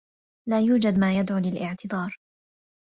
لا يوجد ما يدعو للإعتذار.